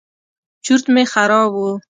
چورت مې خراب و.